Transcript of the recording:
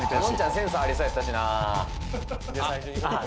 センスありそうやったしなあっ